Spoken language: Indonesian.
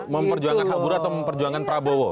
memperjuangkan hak buruh atau memperjuangkan prabowo